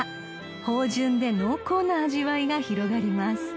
［芳醇で濃厚な味わいが広がります］